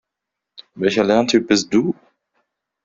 Welcher Lerntyp bist du?